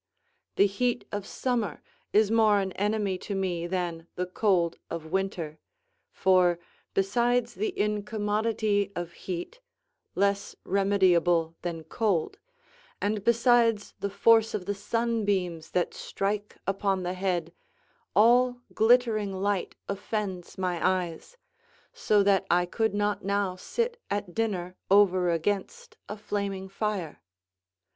The heat of summer is more an enemy to me than the cold of winter; for, besides the incommodity of heat, less remediable than cold, and besides the force of the sunbeams that strike upon the head, all glittering light offends my eyes, so that I could not now sit at dinner over against a flaming fire.